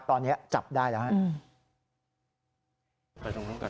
ตอนนี้จับได้แล้วครับ